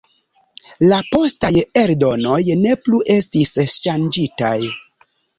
La postaj eldonoj ne plu estis ŝanĝitaj.